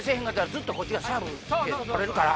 ずっとこっちがサーブ権取れるから。